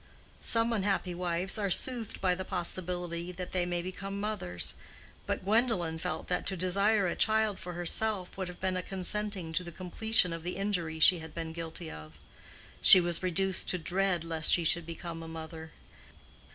Some unhappy wives are soothed by the possibility that they may become mothers; but Gwendolen felt that to desire a child for herself would have been a consenting to the completion of the injury she had been guilty of. She was reduced to dread lest she should become a mother.